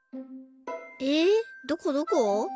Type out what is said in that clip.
えっどこどこ？